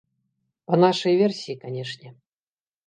Па нашай версіі, канешне.